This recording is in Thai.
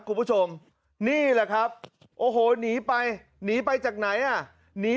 คุณผู้ชมนี่แหละครับโอ้โหหนีไปหนีไปจากไหนอ่ะหนี